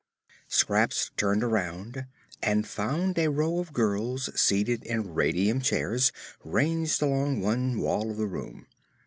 Scraps turned around and found a row of girls seated in radium chairs ranged along one wall of the room.